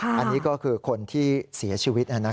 อันนี้ก็คือคนที่เสียชีวิต